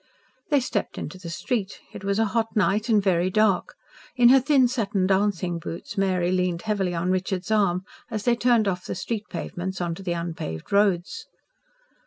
They stepped into the street; it was a hot night and very dark. In her thin satin dancing boots, Mary leaned heavily on Richard's arm, as they turned off the street pavements into the unpaved roads.